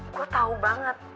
gue tau banget